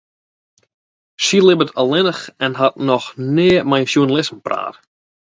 Sy libbet allinnich en hat noch nea mei sjoernalisten praat.